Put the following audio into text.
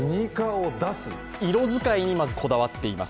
色使いにまず、こだわっています。